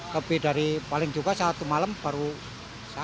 lebih dari paling juga satu malam baru satu